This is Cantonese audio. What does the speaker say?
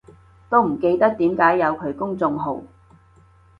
都唔記得點解有佢公眾號